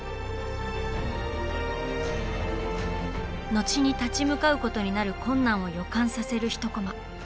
後に立ち向かうことになる困難を予感させる１コマ。